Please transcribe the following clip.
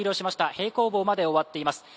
平行棒まで終わっています。